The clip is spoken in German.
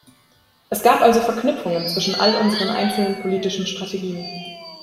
Es gibt also Verknüpfungen zwischen all unseren einzelnen politischen Strategien.